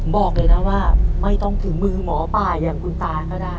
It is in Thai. บอกเลยนะว่าไม่ต้องถึงมือหมอป่าอย่างคุณตาก็ได้